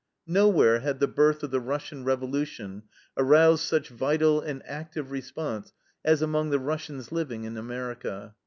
Nowhere had the birth of the Russian revolution aroused such vital and active response as among the Russians living in America.